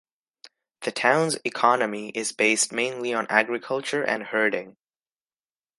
The town's economy is based mainly on agriculture and herding.